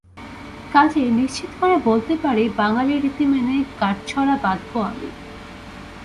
কাজেই নিশ্চিত করে বলতে পারি, বাঙালি রীতি মেনে গাঁটছড়া বাঁধব আমি।